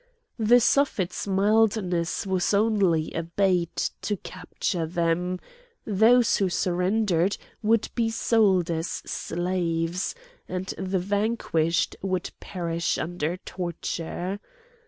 The Suffet's mildness was only a bait to capture them; those who surrendered would be sold as slaves, and the vanquished would perish under torture.